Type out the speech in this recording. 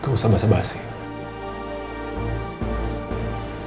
gak usah bahasa bahasa ya